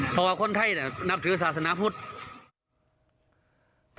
เพราะว่าคนไทยนับถือศาสนาพุทธ